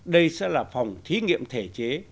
đây sẽ là phòng thí nghiệm thể chế